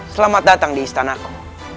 selamat datang di istanaku